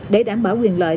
để đảm bảo quyền lợi